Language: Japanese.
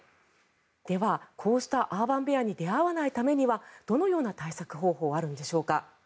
では、こうしたアーバン・ベアに出会わないためにはどのような対策方法があるんでしょうか。